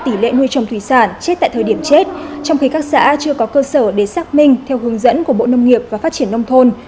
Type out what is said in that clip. tỷ lệ nuôi trồng thủy sản chết tại thời điểm chết trong khi các xã chưa có cơ sở để xác minh theo hướng dẫn của bộ nông nghiệp và phát triển nông thôn